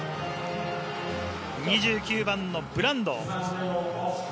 ２９番のブランド。